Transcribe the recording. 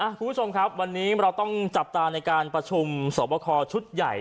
คุณผู้ชมครับวันนี้เราต้องจับตาในการประชุมสอบคอชุดใหญ่